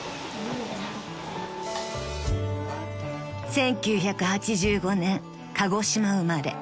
［１９８５年鹿児島生まれ］